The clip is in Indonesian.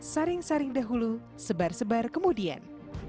saring saring dahulu sebar sebar kemudian